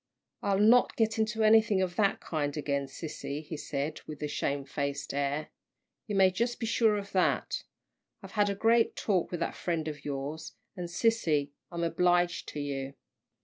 "I'll not get into anything of that kind again, sissy," he said, with a shamefaced air. "You may just be sure of that. I've had a great talk with that friend of yours and sissy, I'm obliged to you."